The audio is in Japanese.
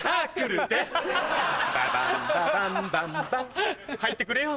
ババンババンバンバン入ってくれよ。